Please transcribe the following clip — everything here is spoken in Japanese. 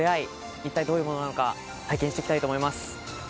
一体、どういうものなのか体験していきたいと思います。